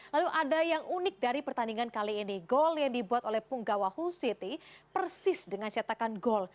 lalu ada yang unik dari pertandingan kali ini gol yang dibuat oleh punggawa hull city persis dengan cetakan gol